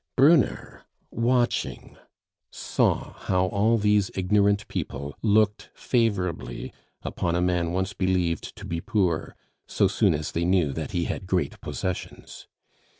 Brunner, watching, saw how all these ignorant people looked favorably upon a man once believed to be poor so soon as they knew that he had great possessions.